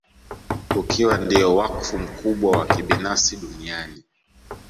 Ukiwa ndio wakfu mkubwa wa kibinafsi duniani